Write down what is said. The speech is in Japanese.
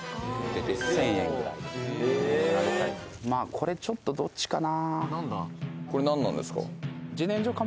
これちょっとどっちかな。